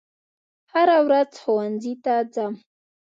هره ورځ ښوونځي ته ځم